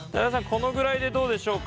このぐらいでどうでしょうか？